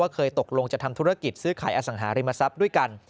เคยตกลงจะทำธุรกิจซื้อขายอสังหาริมทรัพย์ด้วยกัน